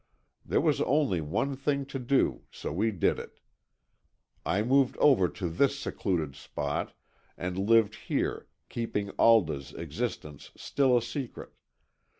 There was only one thing to do, so we did it. I moved over to this secluded spot, and lived here, keeping Alda's existence still a secret.